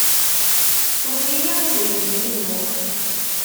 Tuker-iyi idrimen-inu.